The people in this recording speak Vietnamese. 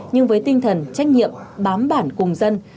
nhưng với tinh thần trách nhiệm bám bản cùng dân